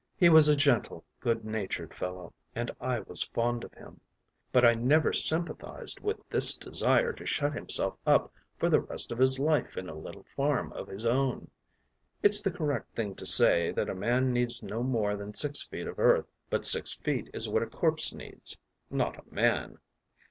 “He was a gentle, good natured fellow, and I was fond of him, but I never sympathized with this desire to shut himself up for the rest of his life in a little farm of his own. It’s the correct thing to say that a man needs no more than six feet of earth. But six feet is what a corpse needs, not a man.